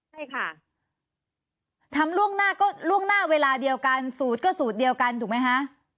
ใช่ค่ะทำล่วงหน้าก็ล่วงหน้าเวลาเดียวกันสูตรก็สูตรเดียวกันถูกไหมคะ